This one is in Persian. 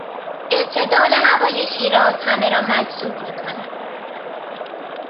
اعتدال هوای شیراز همه را مجذوب میکند.